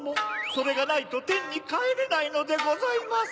それがないとてんにかえれないのでございます。